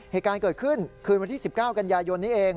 เหตุการณ์เกิดขึ้นคืนวันที่๑๙กันยายนนี้เอง